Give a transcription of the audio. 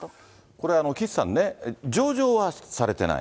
これ、岸さんね、上場はされてない。